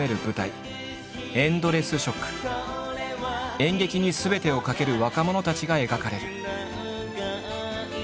演劇にすべてを懸ける若者たちが描かれる。